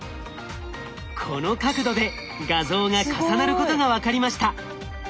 この角度で画像が重なることが分かりました。